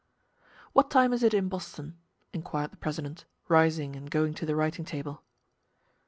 "What time is it in Boston?" inquired the president, rising and going to the writing table.